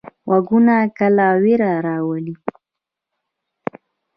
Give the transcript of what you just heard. غږونه کله ویره راولي.